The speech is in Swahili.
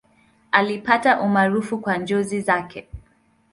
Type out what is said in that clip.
Alipata umaarufu kwa njozi zake.